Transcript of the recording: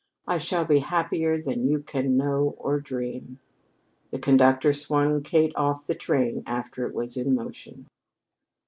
I shall be happier than you can know or dream." The conductor swung Kate off the train after it was in motion.